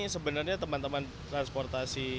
sebenarnya teman teman transportasi